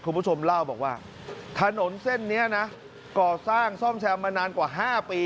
คุณผู้ชมเล่าบอกว่าถนนเส้นนี้นะก่อสร้างซ่อมแซมมานานกว่า๕ปี